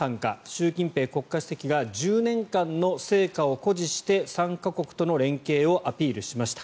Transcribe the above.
習近平国家主席が１０年間の成果を誇示して参加国との連携をアピールしました。